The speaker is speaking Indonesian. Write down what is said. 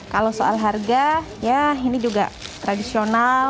kalau soal harga ya ini juga tradisional